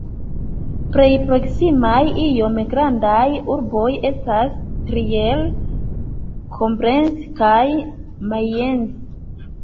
Plej proksimaj iom grandaj urboj estas Trier, Koblenz kaj Mainz.